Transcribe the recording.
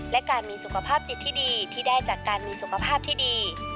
และการมีสุขภาพจิตที่ดีที่ได้จากการมีสุขภาพที่ดี